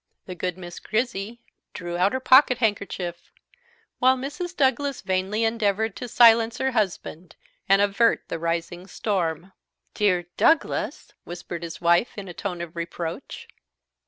The good Miss Grizzy drew out her pocket handkerchief, while Mrs. Douglas vainly endeavoured to silence her husband, and avert the rising storm. "Dear Douglas!" whispered his wife in a tone of reproach.